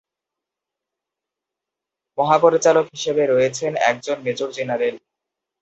মহাপরিচালক হিসেবে রয়েছেন একজন মেজর জেনারেল।